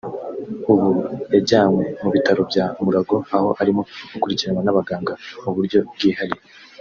ubu yajyanywe ku bitaro bya Mulago aho arimo gukurikiranwa n’abaganga mu buryo bwihariye